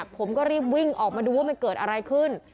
ผมก็รีบวิ่งออกมาดูว่ามันเกิดอะไรขึ้น